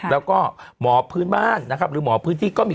แล้วก็หมอพื้นบ้านนะครับหรือหมอพื้นที่ก็มี